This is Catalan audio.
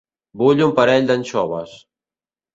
Vull un parell d'anxoves.